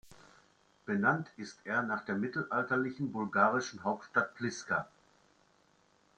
Benannt ist er nach der mittelalterlichen bulgarischen Hauptstadt Pliska.